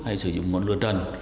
hay sử dụng ngọn lửa trần